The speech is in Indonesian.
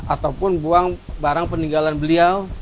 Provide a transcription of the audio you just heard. ataupun buang barang peninggalan beliau